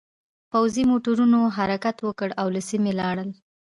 پوځي موټرونو حرکت وکړ او له سیمې لاړل